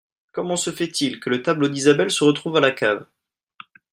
Comment ce fait il que le tableau d'Isabelle se retrouve à la cave?